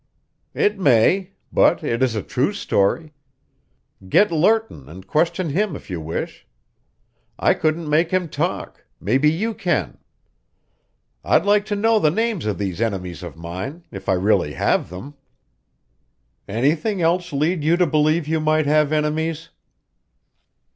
"It may, but it is a true story. Get Lerton and question him if you wish. I couldn't make him talk maybe you can. I'd like to know the names of these enemies of mine, if I really have them." "Anything else lead you to believe you might have enemies?"